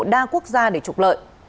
đa quốc gia để trục lợi